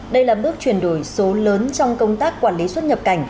đây là bước chuyển đổi số lớn trong công tác quản lý xuất nhập cảnh